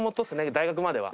大学までは。